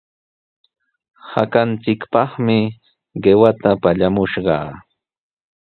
Hakanchikpaqmi qiwata pallamushqaa.